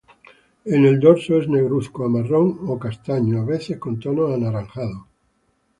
En el dorso es negruzco a marrón o castaño, a veces con tonos anaranjados.